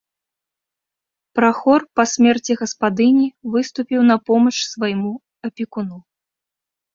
Прахор па смерці гаспадыні выступіў на помач свайму апекуну.